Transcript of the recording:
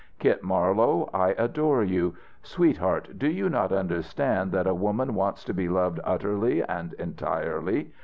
"Kit Marlowe, I adore you! Sweetheart, do you not understand that a woman wants to be loved utterly and entirely?